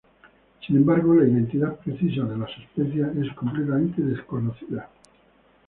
Sin embargo, la identidad precisa de las especias es completamente desconocida.